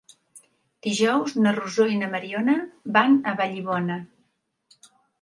Dijous na Rosó i na Mariona van a Vallibona.